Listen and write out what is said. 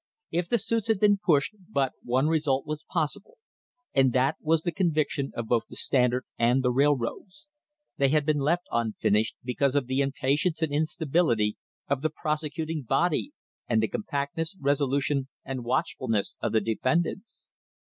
If the suits had been pushed but one result was possible, and that was the conviction of both the Standard and the railroads; they had been left unfinished because of the impatience and instability of the prosecuting body and the compactness, resolution and watchfulness of the defendants.